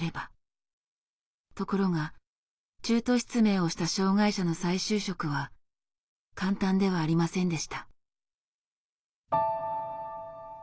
ところが中途失明をした障害者の再就職は簡単ではありませんでした。